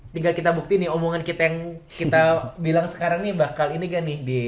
tinggal kita bukti nih omongan kita yang kita bilang sekarang nih bakal ini gak nih